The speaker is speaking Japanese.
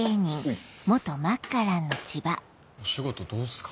お仕事どうっすか？